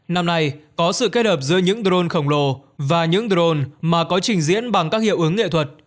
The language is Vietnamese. năm nay có sự kết hợp giữa những drone khổng lồ và những drone mà có trình diễn bằng các hiệu ứng nghệ thuật